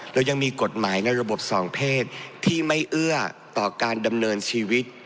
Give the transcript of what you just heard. เรายังมีกฎหมายในระบบสองเพศที่ไม่เอื้อต่อการดำเนินชีวิต